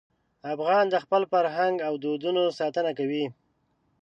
افغان د خپل فرهنګ او دودونو ساتنه کوي.